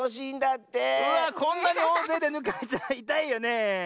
こんなにおおぜいでぬかれちゃいたいよねえ。